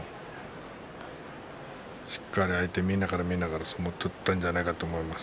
しっかり相手を見ながら見ながら相撲を取っていたと思います。